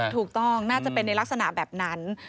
ถูกต้องน่าจะเป็นในลักษณะแบบนั้น